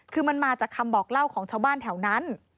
คือมันมาจากคำบอกเล่าของชาวบ้านแถวนั้น